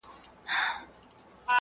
مخ يې ونيوى پر كور ما ته يې شا سوه؛